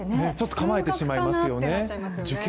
構えてしまいますよね、受験？